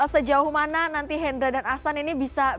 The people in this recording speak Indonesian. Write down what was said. sejauh mana nanti hendra dan ahsan ini bisa